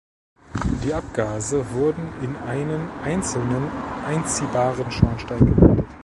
Die Abgase wurden in einen einzelnen einziehbaren Schornstein geleitet.